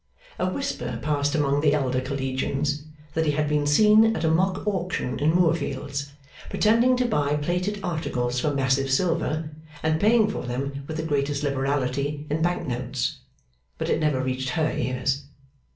A whisper passed among the elder collegians that he had been seen at a mock auction in Moorfields, pretending to buy plated articles for massive silver, and paying for them with the greatest liberality in bank notes; but it never reached her ears.